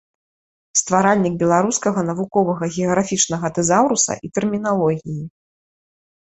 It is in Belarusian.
Стваральнік беларускага навуковага геаграфічнага тэзаўруса і тэрміналогіі.